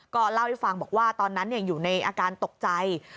ก็เล่าให้ฟังบอกว่าตอนนั้นอยู่ในอาการตกใจ